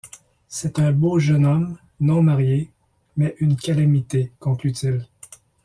C’est un beau jeune homme, non marié, mais une calamité, conclut-il.